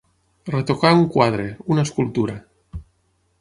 Retocar un quadre, una escultura.